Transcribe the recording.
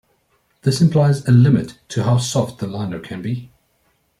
This implies a limit to how soft the liner can be.